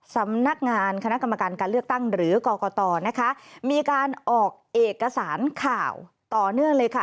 สำนักงานคณะกรรมการการเลือกตั้งหรือกรกตนะคะมีการออกเอกสารข่าวต่อเนื่องเลยค่ะ